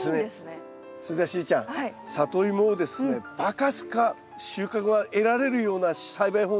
それからしーちゃんサトイモをですねバカスカ収穫が得られるような栽培法をですね